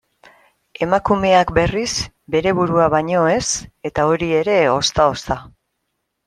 Emakumeak, berriz, bere burua baino ez, eta hori ere ozta-ozta.